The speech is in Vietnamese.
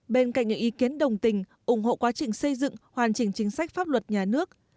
bên cạnh những ý kiến đồng tình ủng hộ quá trình xây dựng hoàn chỉnh chính sách pháp luật nhà nước